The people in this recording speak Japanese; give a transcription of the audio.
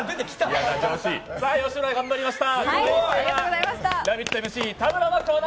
吉村、頑張りました。